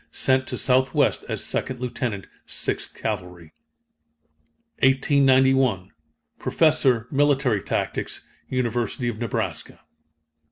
Sent to southwest as second lieutenant, 6th cavalry. 1891. Professor, military tactics, University of Nebraska.